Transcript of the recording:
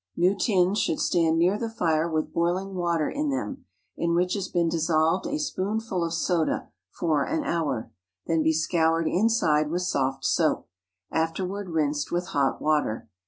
New tins should stand near the fire with boiling water in them, in which has been dissolved a spoonful of soda, for an hour; then be scoured inside with soft soap; afterward rinsed with hot water.